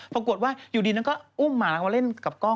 ปรากฏว่าอยู่ดีนั้นก็อุ้มหมามาเล่นกับกล้อง